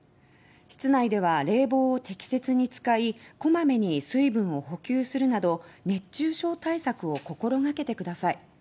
室内では冷房を適切に使いこまめに水分を補給するなど熱中症対策を心がけてください。